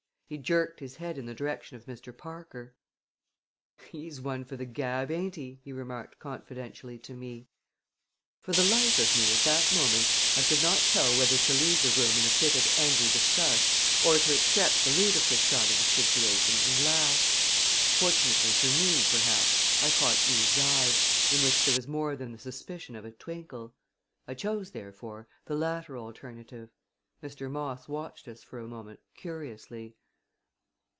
He jerked his head in the direction of Mr. Parker. "He is one for the gab, ain't he?" he remarked confidentially to me. For the life of me, at that moment I could not tell whether to leave the room in a fit of angry disgust or to accept the ludicrous side of the situation and laugh. Fortunately for me, perhaps, I caught Eve's eye, in which there was more than the suspicion of a twinkle. I chose, therefore, the latter alternative. Mr. Moss watched us for a moment curiously.